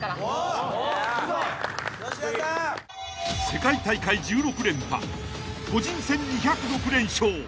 ［世界大会１６連覇個人戦２０６連勝］